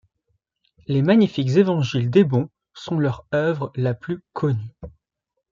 Les magnifiques Évangiles d'Ebbon sont leur œuvre la plus connue.